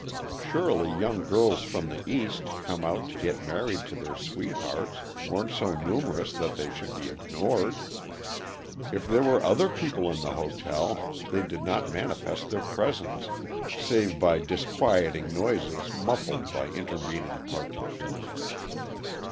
Surely, young girls from the East, come out to get married to their sweethearts, weren't so numerous that they should be ignored. If there were other people in the hotel, they did not manifest their presence, save by disquieting noises muffled by intervening partitions.